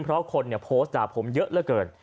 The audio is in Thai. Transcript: เพราะคนโพสต์ด่าผมเยอะเหลือเกิน